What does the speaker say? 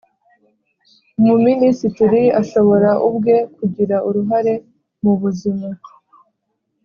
Umuminisitiri ashobora ubwe kugira uruhare mubuzima